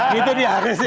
gitu dia harusnya